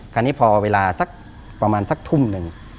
คราวนี้พอเวลาสักประมาณสักทุ่มหนึ่ง